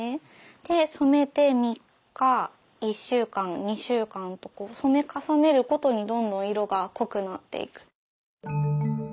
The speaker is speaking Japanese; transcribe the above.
で染めて３日１週間２週間とこう染め重ねるごとにどんどん色が濃くなっていく。